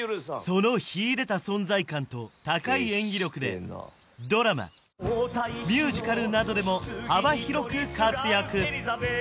その秀でた存在感と高い演技力でドラマミュージカルなどでも幅広く活躍